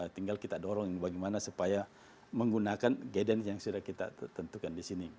tinggal kita dorong bagaimana supaya menggunakan gadden yang sudah kita tentukan di sini